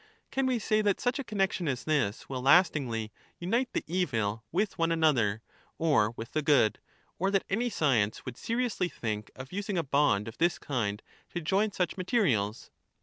Can we say that such a connexion as this will lastingly unite the evil with one another or with the good, or that any science would seriously think of using a bond of this kind to join such materials